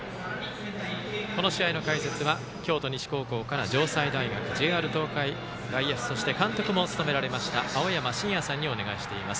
この試合の解説は京都西高校から城西大学、ＪＲ東海で外野手そして監督も務められました青山眞也さんにお願いしています。